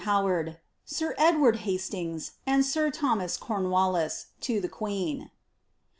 Howard), Sir Edward Hastings, and Sir Thomas Cornwallis, to the Queen.